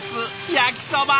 焼きそば！